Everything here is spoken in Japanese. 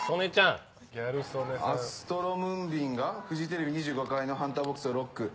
ＡＳＴＲＯ、ムンビンがフジテレビ２５階のハンターボックスをロック。